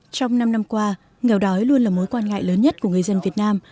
trong năm năm qua nghèo đói luôn là mối quan ngại lớn nhất của người dân việt nam